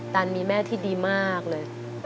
ตันมีแม่ที่ดีมากเลย